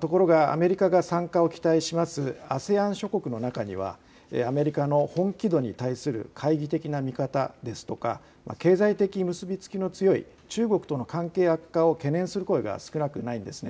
ところがアメリカが参加を期待しますＡＳＥＡＮ諸国の中にはアメリカの本気度に対する懐疑的な見方ですとか経済的結び付きの強い中国との関係悪化を懸念する声が少なくないんです。